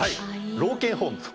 老犬ホームと。